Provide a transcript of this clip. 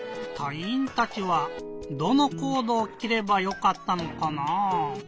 いいんたちはどのコードをきればよかったのかなぁ？